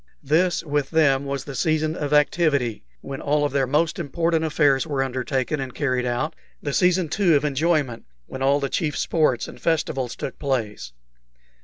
This with them was the season of activity, when all their most important affairs were undertaken and carried out; the season, too, of enjoyment, when all the chief sports and festivals took place.